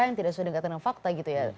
yang tidak sudah dikatakan fakta gitu ya